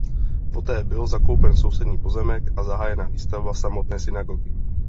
Poté byl zakoupen sousední pozemek a zahájena výstavba samostatné synagogy.